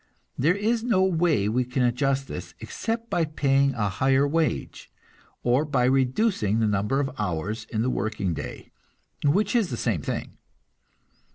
There is no way we can adjust this, except by paying a higher wage, or by reducing the number of hours in the working day, which is the same thing.